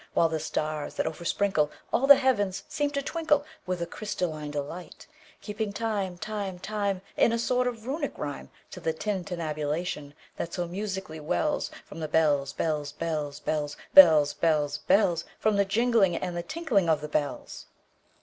While the stars, that oversprinkleAll the heavens, seem to twinkleWith a crystalline delight; Keeping time, time, time, In a sort of Runic rhyme, To the tintinnabulation that so musically wellsFrom the bells, bells, bells, bells, Bells, bells, bells—From the jingling and the tinkling of the bells.